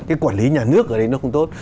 cái quản lý nhà nước ở đây nó không tốt